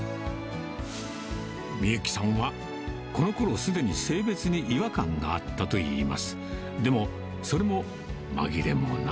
海幸さんは、このころすでに性別に違和感があったといいます。